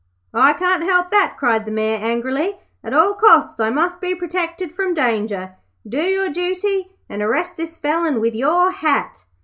'I can't help that,' cried the Mayor, angrily. 'At all costs I must be protected from danger. Do your duty and arrest this felon with your hat.'